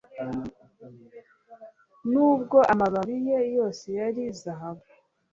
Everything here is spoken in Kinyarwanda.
nubwo amababi ye yose ari zahabu